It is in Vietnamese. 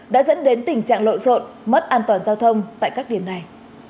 đã dẫn đến tình trạng lộn xộn mất an toàn giao thông tại các điểm này